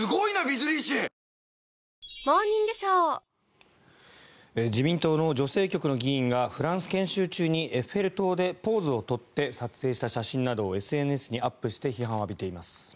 わかるぞ自民党の女性局の議員がフランス研修中にエッフェル塔でポーズを取って撮影した写真などをＳＮＳにアップして批判を浴びています。